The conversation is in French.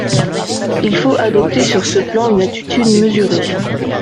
Il faut adopter sur ce plan une attitude mesurée.